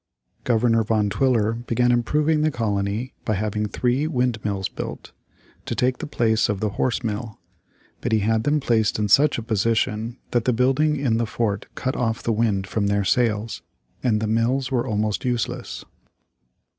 Governor Van Twiller began improving the colony by having three windmills built, to take the place of the horse mill. But he had them placed in such a position that the building in the fort cut off the wind from their sails, and the mills were almost useless.